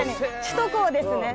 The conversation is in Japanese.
首都高ですね。